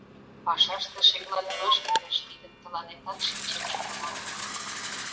Пашаште шекланымаш кӱлеш, тидым тыланетат шинчен шогыман.